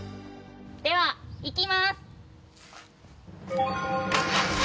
ではいきます。